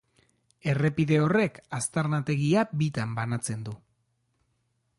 Errepide horrek aztarnategia bitan banatzen du.